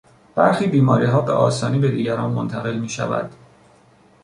برخی بیماریها به آسانی به دیگران منتقل میشود.